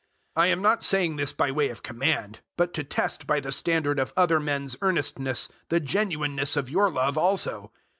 008:008 I am not saying this by way of command, but to test by the standard of other men's earnestness the genuineness of your love also.